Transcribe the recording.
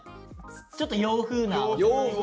ちょっと洋風な。